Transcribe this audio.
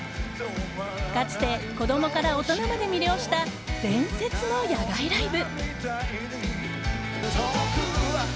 かつて子供から大人まで魅了した、伝説の野外ライブ。